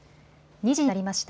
２時になりました。